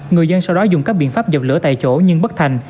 người dân sau đó dùng các biện pháp dập lửa tại chỗ nhưng bất thành